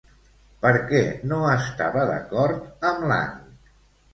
Per què no estava d'acord amb Lang?